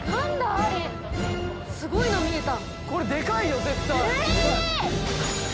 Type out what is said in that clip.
あれすごいの見えた。